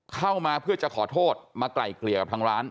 เข้ามาเพื่อจะขอโทษมาไกล่เกลี่ยกับทางร้าน